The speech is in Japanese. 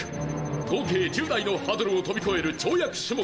「合計１０台のハードルを跳び越える跳躍種目」